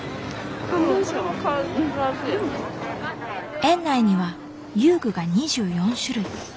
園内には遊具が２４種類。